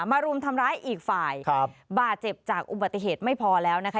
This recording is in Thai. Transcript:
รุมทำร้ายอีกฝ่ายครับบาดเจ็บจากอุบัติเหตุไม่พอแล้วนะคะ